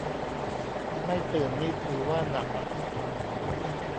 ไม่ตื่นนี่ถือว่าหนักอะ